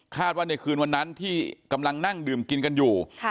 ว่าในคืนวันนั้นที่กำลังนั่งดื่มกินกันอยู่